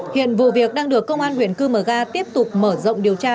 hiện vụ việc đang được công an huyện cư mờ ga tiếp tục mở rộng điều tra